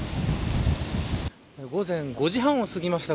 午前５時半を過ぎました